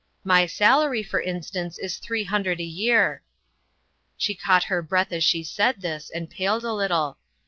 My salary, for instance, is three hun dred a year." She caught her breath as she said this, and paled a little.